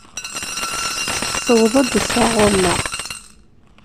Tuweḍ-d ass-a ɣur-neɣ.